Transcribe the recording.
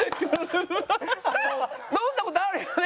飲んだ事あるよね？